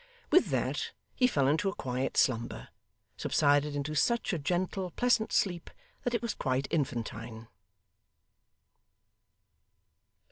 With that he fell into a quiet slumber: subsided into such a gentle, pleasant sleep, that it was quite infantine.